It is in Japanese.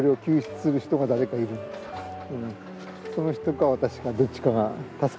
その人か私かどっちかが助けてあげる。